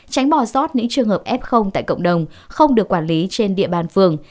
tránh bò sót những trường hợp f tại cộng đồng không được quản lý trên địa bàn phường